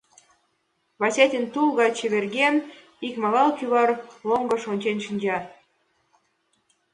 Васятин, тул гай чеверген, икмагал кӱвар лончыш ончен шинча.